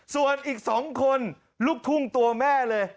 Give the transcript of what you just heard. ส่วนอีก๒คนลูกทุ่งตัวแม่เลย